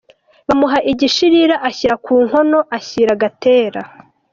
Bamuha igishirira ashyira ku nkono ashyira Gatera.